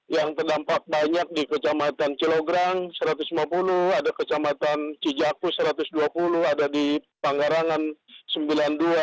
yang terdampak banyak di kecamatan cilograng satu ratus lima puluh ada kecamatan cijaku satu ratus dua puluh ada di panggarangan sembilan puluh dua